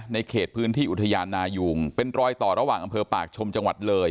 เขตพื้นที่อุทยานนายุงเป็นรอยต่อระหว่างอำเภอปากชมจังหวัดเลย